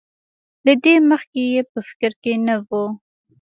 له دې مخکې یې په فکر کې نه وو.